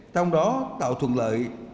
trong đó tạo thuận lợi